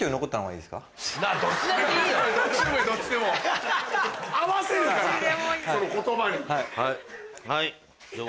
どっちでもいいどっちでも合わせるからその言葉に。